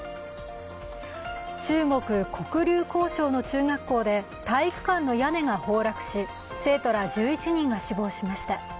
中国・黒竜江省の中学校で体育館の屋根が崩落し生徒ら１１人が死亡しました。